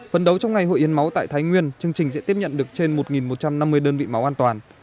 phấn đấu trong ngày hội hiến máu tại thái nguyên chương trình sẽ tiếp nhận được trên một một trăm năm mươi đơn vị máu an toàn